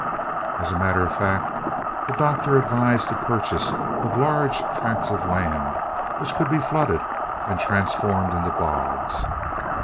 As a matter of fact, the doctor advised the purchase of large tracts of land which could be flooded and transformed into bogs.